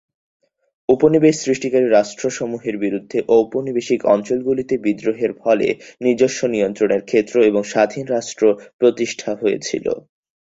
উপনিবেশ সৃষ্টিকারী রাষ্ট্রসমূহের বিরুদ্ধে ঔপনিবেশিক অঞ্চলগুলিতে বিদ্রোহের ফলে নিজস্ব নিয়ন্ত্রণের ক্ষেত্র এবং স্বাধীন রাষ্ট্র প্রতিষ্ঠা হয়েছিল।